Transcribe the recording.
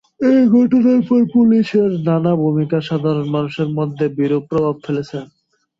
এ ঘটনার পর পুলিশের নানা ভূমিকা সাধারণ মানুষের মধ্যে বিরূপ প্রভাব ফেলেছে।